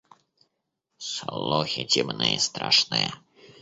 Слухи темны и страшны.